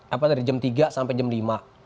apa dari jam tiga sampai jam lima